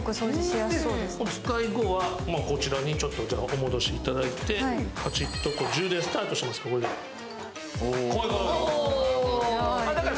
お使い後は、こちらにしまっていただいてカチッと充電スタートしますから。